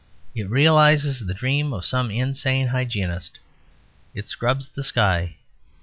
It realises the dream of some insane hygienist: it scrubs the sky.